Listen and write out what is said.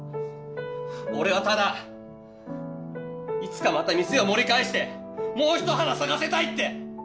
俺はただいつかまた店を盛り返してもう一花咲かせたいって。